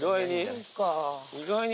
意外に。